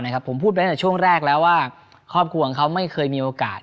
เสียงจากช่วงแรกแล้วว่าครอบครัวของเขาไม่เคยมีโอกาส